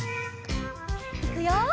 いくよ。